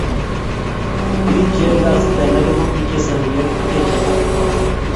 Bik che yaekasit alake kokichesani yakikiteche kot.